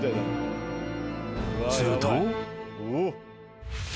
［すると］